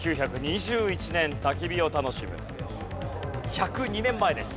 １０２年前です。